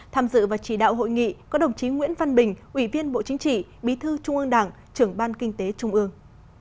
tham dự và chỉ đạo hội nghị có đồng chí nguyễn văn bình ủy viên bộ chính trị bí thư trung ương đảng trưởng ban kinh tế trung ương